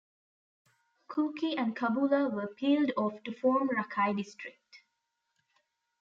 Kooki and Kabula were peeled off to form Rakai District.